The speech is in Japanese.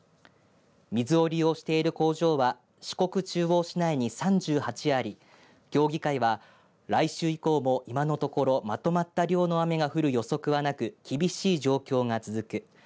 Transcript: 水を利用している工場は四国中央市内に３８あり協議会は、来週以降も今のところまとまった量の雨が降る予測はなく厳しい状況が続く。